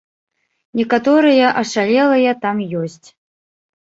Некаторыя ашалелыя там ёсць.